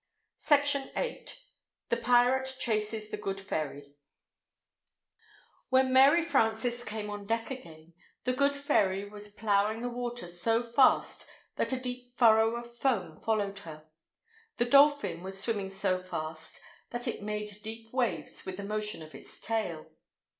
VIII THE PIRATE CHASES THE GOOD FERRY WHEN Mary Frances came on deck again, The Good Ferry was plowing the water so fast that a deep furrow of foam followed her. The dolphin was swimming so fast that it made deep waves with the motion of its tail.